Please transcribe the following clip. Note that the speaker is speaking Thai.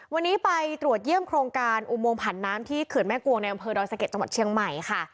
วันนี้ไปตรวจเยี่ยมโครงการอุโมงผันน้ำที่เขื่อนแม่กวงในอำเภอดอยสะเก็ดจังหวัดเชียงใหม่ค่ะ